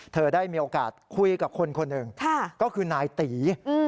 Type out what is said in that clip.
ได้มีโอกาสคุยกับคนคนหนึ่งก็คือนายตี